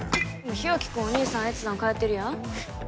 日沖君お兄さん越山通ってるやん